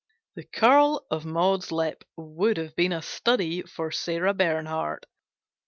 The curl of Maud's lip would have been a study for Sarah Bernhardt.